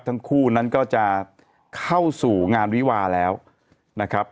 ทั้งคู่นั้นก็จะเข้าสู่งานวิวาแล้วนะครับ